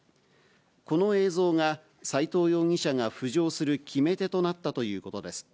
この映像が、斎藤容疑者が浮上する決め手となったということです。